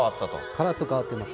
がらっと変わってます。